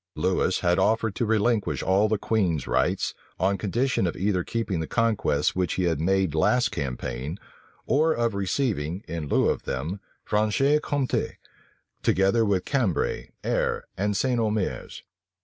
Lewis had offered to relinquish all the queen's rights, on condition either of keeping the conquests which he had made last campaign, or of receiving, in lieu of them, Franche Compte, together with Cambray, Aire, and St. Omers.